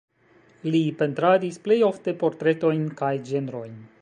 Li pentradis plej ofte portretojn kaj ĝenrojn.